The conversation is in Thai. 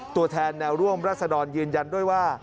ตัวแทนแนวร่วมรัศดรยืนยันด้วยว่า